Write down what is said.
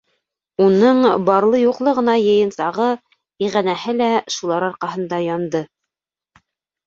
Уның барлы-юҡлы ғына йыйынсағы-иғәнәһе лә шулар арҡаһында янды.